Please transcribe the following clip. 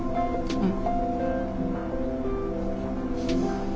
うん？